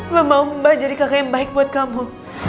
mbak mau mbak jadi kakak yang baik buat kamu